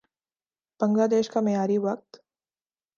بنگلہ دیش کا معیاری وقت